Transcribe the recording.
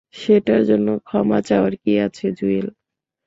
সেটার জন্য ক্ষমা চাওয়ার কি আছে, জুয়েল।